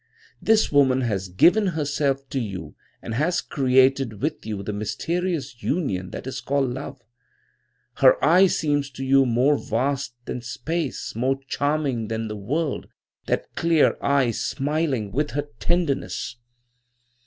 This woman has given herself to you and has created with you the mysterious union that is called Love. Her eye seems to you more vast than space, more charming than the world, that clear eye smiling with her tenderness.